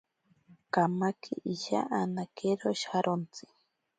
Kamake isha anakero sharontsi.